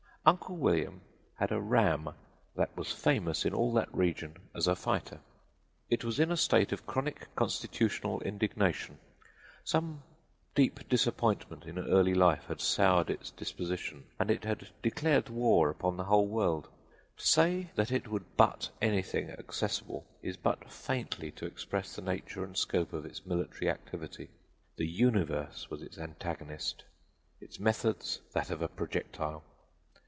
"Uncle William had a ram that was famous in all that region as a fighter. It was in a state of chronic constitutional indignation. Some deep disappointment in early life had soured its disposition and it had declared war upon the whole world. To say that it would butt anything accessible is but faintly to express the nature and scope of its military activity: the universe was its antagonist; its methods that of a projectile.